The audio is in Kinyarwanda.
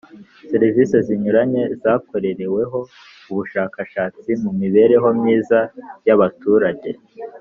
Serivisi zinyuranye zakorereweho ubushakashatsi mu mibereho myiza y abaturage